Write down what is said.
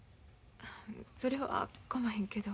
それはかまへんけど。